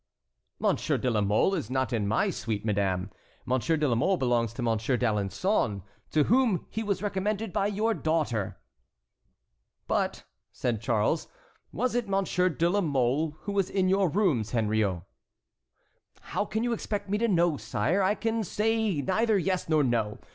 "Monsieur de la Mole is not in my suite, madame; Monsieur de la Mole belongs to Monsieur d'Alençon, to whom he was recommended by your daughter." "But," said Charles, "was it Monsieur de la Mole who was in your rooms, Henriot?" "How can you expect me to know, sire? I can say neither yes nor no.